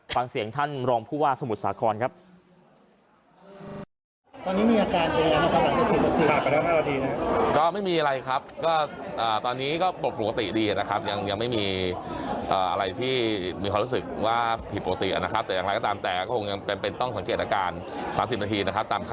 ฟังเสียงท่านรองผู้ว่าสมุทรสาครครับ